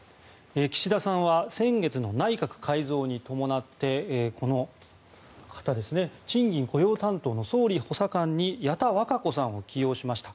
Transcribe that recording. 岸田さんは先月の内閣改造に伴って賃金・雇用担当の総理補佐官に矢田稚子さんを起用しました。